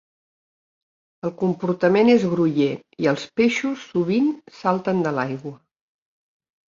El comportament és groller i els peixos sovint salten de l'aigua.